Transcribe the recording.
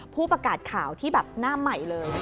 ผู้ประกาศข่าวที่แบบหน้าใหม่เลย